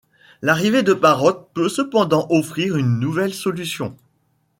L'arrivée de Parrot peut cependant offrir une nouvelle solution.